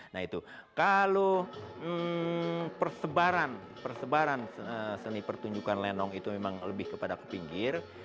nah itu kalau persebaran persebaran seni pertunjukan lenong itu memang lebih kepada ke pinggir